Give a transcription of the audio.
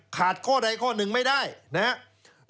ขาดข้อใดข้อหนึ่งไม่ได้นะครับ